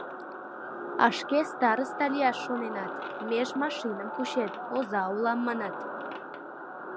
А шке староста лияш шоненат, меж машиным кучет, «оза улам», манат.